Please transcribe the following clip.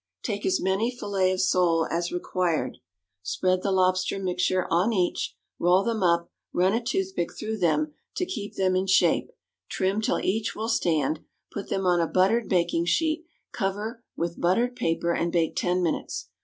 Take as many fillets of sole as required, spread the lobster mixture on each, roll them up, run a toothpick through them to keep them in shape; trim till each will stand; put them on a buttered baking sheet, cover with buttered paper, and bake ten minutes.